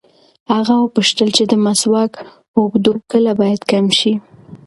هغه وپوښتل چې د مسواک اوږدو کله باید کم شي.